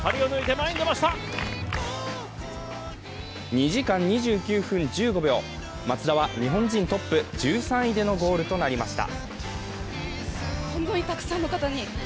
２時間２９分１５秒、松田は日本人トップ、１３位でのゴールとなりました。